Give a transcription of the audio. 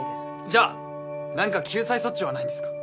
じゃあなんか救済措置はないんですか？